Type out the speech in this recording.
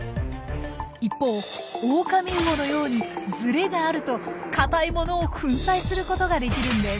一方オオカミウオのようにズレがあると硬いものを粉砕することができるんです。